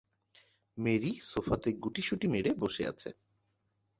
Mary সোফাতে গুটুসুটি মেরে বসে আছে।